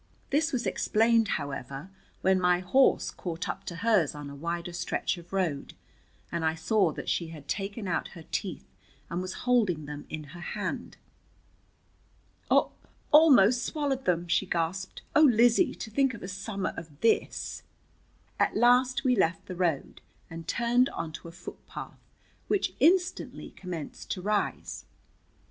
This was explained, however, when my horse caught up to hers on a wider stretch of road, and I saw that she had taken out her teeth and was holding them in her hand. "Al almost swallowed them," she gasped. "Oh, Lizzie, to think of a summer of this!" At last we left the road and turned onto a footpath, which instantly commenced to rise.